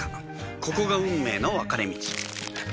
ここが運命の分かれ道